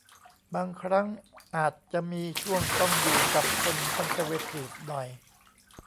บางครั้งอาจจะมีช่วงต้องอยู่กับคนคอนเซอร์เวทีฟหน่อย